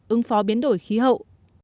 ứng phó biến đổi khí hậu